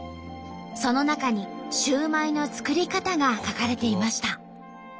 その中にシューマイの作り方が書かれていました。